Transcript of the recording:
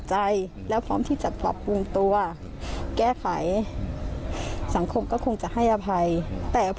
ช่านาวจุ้มครูขามก็คือแบบ